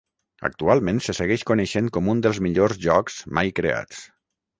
Actualment se segueix coneixent com un dels millors jocs mai creats.